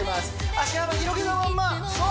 足幅広げたまんまそう！